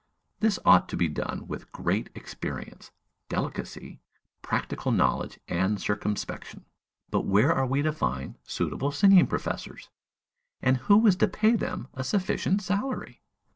This ought also to be done with great experience, delicacy, practical knowledge and circumspection. But where are we to find suitable singing professors, and who is to pay them a sufficient salary?